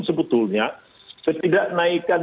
sebetulnya setidak naikkan